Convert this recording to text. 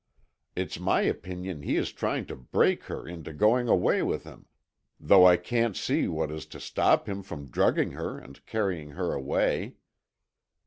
It's my opinion he is trying to break her into going away with him, though I can't see what is to stop him from drugging her and carrying her away."